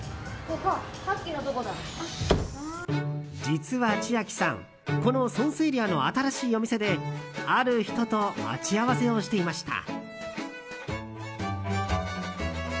実は千秋さんこのソンスエリアの新しいお店である人と待ち合わせをしていました。